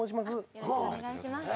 よろしくお願いします。